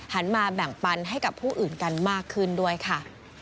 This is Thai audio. มาแบ่งปันให้กับผู้อื่นกันมากขึ้นด้วยค่ะ